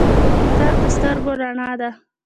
کتاب د سترګو رڼا ده